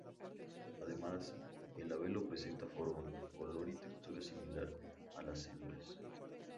Además, el labelo presenta forma, color y textura similar a las hembras.